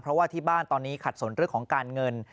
เพราะว่าที่บ้านตอนนี้ขัดสนเรื่องของการเงิน